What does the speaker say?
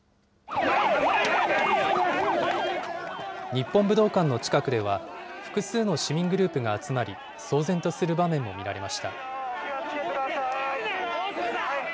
日本武道館の近くでは、複数の市民グループが集まり、騒然とする場面も見られました。